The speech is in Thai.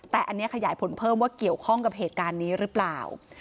แต่อันนี้ขยายผลเพิ่มว่าเกี่ยวข้องกับเหตุการณ์นี้หรือเปล่า